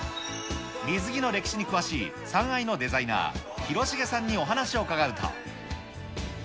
水着の歴史に詳しい三愛のデザイナー、廣重さんにお話を伺うと。